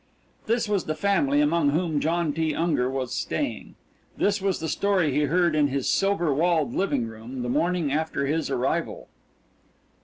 This was the family among whom John T. Unger was staying. This was the story he heard in his silver walled living room the morning after his arrival.